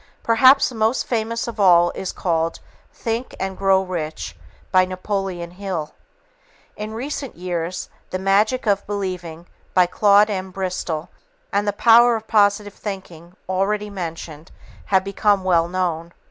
Perhaps the most famous of all is called Think and Grow Rich by Napoleon Hill. In recent years, The Magic of Believing by Claude M. Bristol and The Power of Positive Thinking, already mentioned, have become well known.